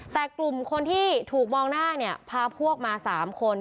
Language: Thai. แต่กลุ่มคนที่ถูกมองหน้าเนี่ยพาพวกมา๓คน